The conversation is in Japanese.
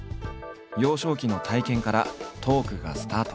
幼少期の体験からトークがスタート。